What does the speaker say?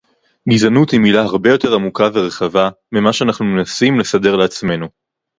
גזענות היא מלה הרבה יותר עמוקה ורחבה ממה שאנחנו מנסים לסדר לעצמנו